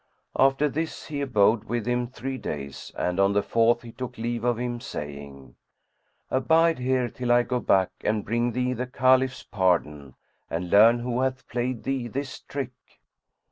After this he abode with him three days and on the fourth he took leave of him, saying, "Abide here till I go back and bring thee the Caliph's pardon and learn who hath played thee this trick."